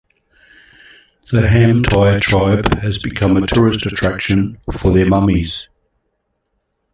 The Hamtai tribe has become a tourist attraction for their mummies.